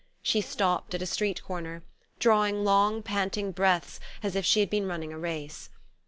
She stopped at a street corner, drawing long panting breaths as if she had been running a race.